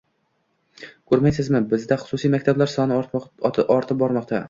Ko'ryapsizmi, bizda xususiy maktablar soni ortib bormoqda